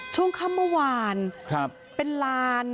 ช่วงค่ำเมื่อวานเป็นลาน